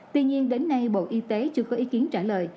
tuy nhiên đến nay bộ y tế chưa có ý kiến trả lời